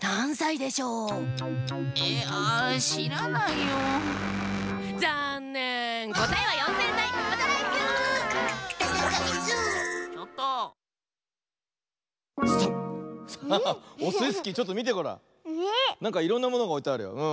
なんかいろんなものがおいてあるよ。